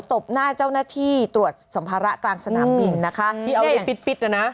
ตบหน้าเจ้าหน้าที่ตรวจสัมภาระกลางสนามบินนะคะที่เอาไว้ปิดปิดน่ะนะ